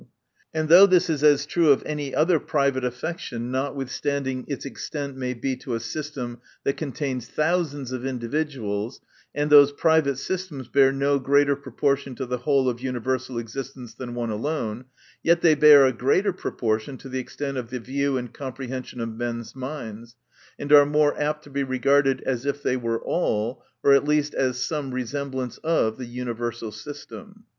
And though this is as true of any other private affection, notwithstanding its extent may be to a system that contains thousands of individuals, and those* private systems bear no greater proportion to the whole of universal existence, than one alone, yet they bear a greater proportion to the extent, to the view and compre hension of men's minds, and are more apt to be regarded as if they were all., or at least as some resemblance of the universal system.